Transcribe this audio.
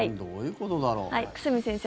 久住先生